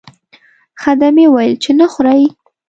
خدمې وویل چې نه خورئ.